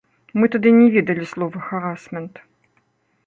Мы тады не ведалі слова харасмент.